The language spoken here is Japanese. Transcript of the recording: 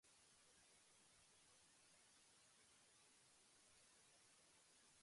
山側ならきっと発電所に通じているね、と君は言う。でも、海側はわからないとも。